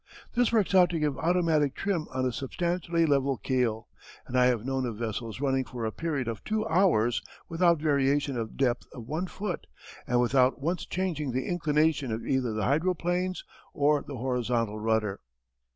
This works out to give automatic trim on a substantially level keel, and I have known of vessels running for a period of two hours without variation of depth of one foot and without once changing the inclination of either the hydroplanes or the horizontal rudder.